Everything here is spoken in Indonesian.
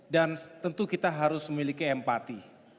dan tentu kita harus memiliki empati